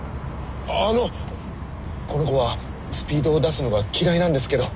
あのこの子はスピードを出すのが嫌いなんですけど。